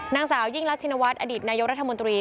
นางสาวยิ่งลักษณวัสอนรัฐมนตรี